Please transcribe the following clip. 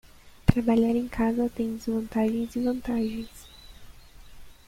Trabalhar em casa tem desvantagens e vantagens.